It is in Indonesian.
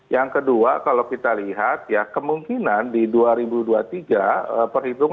yang kedua kalau kita lihat di jokowi kita lihat bahwa periode maret ini sudah mulai mengalami penurunan konsumsi